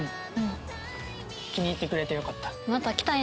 気に入ってくれてよかった。